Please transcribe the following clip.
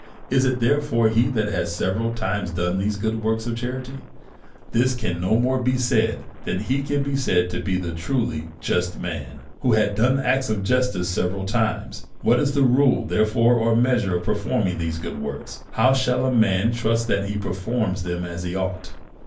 Is it, therefore, he that has several times done these works of charity ? This can no more be said, than he can be called a truly just man who had done acts of justice several times. What is the rule, therefore, or measure of performing these good works? How shall a man trust that he performs them as he ought